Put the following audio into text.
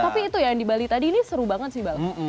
tapi itu yang di bali tadi ini seru banget sih bala